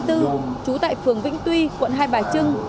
trú tại phường vĩnh tuy quận hai bài trưng